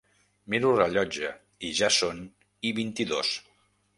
Miro el rellotge i ja són i vint-i-dos.